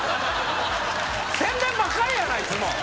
宣伝ばっかりやないつも。